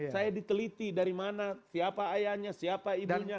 saya diteliti dari mana siapa ayahnya siapa ibunya